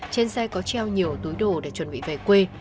trên xe có treo nhiều túi đồ để chuẩn bị về quê